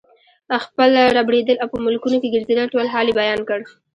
خپل ربړېدل او په ملکونو کې ګرځېدل ټول حال یې بیان کړ.